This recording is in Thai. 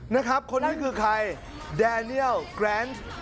นะครับคนนี้คือใครแดเนียลแกรนซ์